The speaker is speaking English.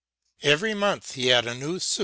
Every moneth he had a new Chap.